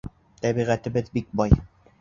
Тәбиғәтебеҙ бик бай.